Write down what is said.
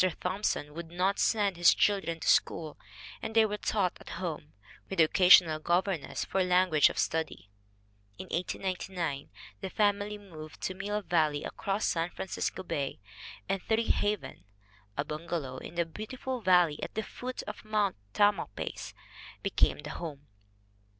Thompson would not send his children to school and they were taught at home, with an occasional governess for language study. In 1899 the family moved to Mill Valley across San Francisco Bay, and "Treehaven," a bungalow in the beautiful valley at the foot of Mount Tamalpais, be came the home.